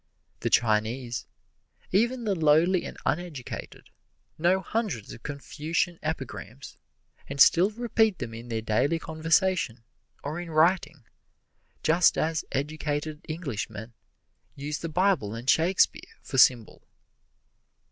The Chinese, even the lowly and uneducated, know hundreds of Confucian epigrams, and still repeat them in their daily conversation or in writing, just as educated Englishmen use the Bible and Shakespeare for symbol.